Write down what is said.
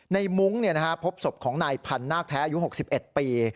มุ้งพบศพของนายพันธ์นาคแท้อายุ๖๑ปี